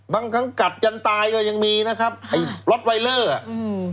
บางครั้งกัดจนตายก็ยังมีนะครับไอ้รถไวเลอร์อ่ะอืม